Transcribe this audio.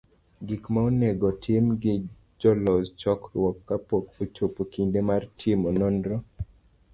Gik ma onego tim gi jolos chokruok ,Ka pok ochopo kinde mar timo nonro,